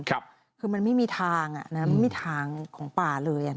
คือมันไม่มีทางไม่มีทางของป่าเลย